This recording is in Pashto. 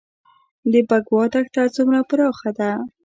د بکوا دښته څومره پراخه ده؟